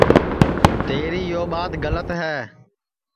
تیری یو ٻات گلت ہے